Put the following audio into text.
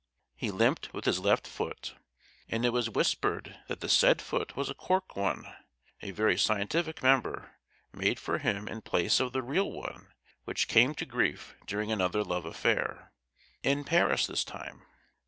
He limped with his left foot, and it was whispered that the said foot was a cork one—a very scientific member, made for him in place of the real one which came to grief during another love affair, in Paris this time.